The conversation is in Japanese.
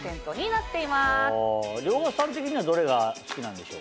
遼河さん的にはどれが好きなんでしょうか？